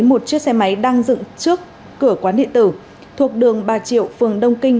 một chiếc xe máy đang dựng trước cửa quán điện tử thuộc đường ba triệu phường đông kinh